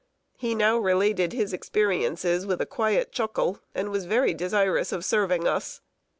He now related his experiences with a quiet chuckle, and was very desirous of serving us.